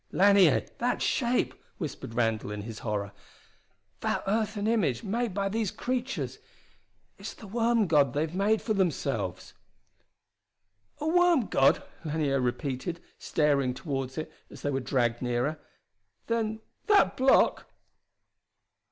"Lanier that shape!" whispered Randall in his horror. "That earthen image, made by these creatures it's the worm god they've made for themselves!" "A worm god!" Lanier repeated, staring toward it as they were dragged nearer. "Then that block...."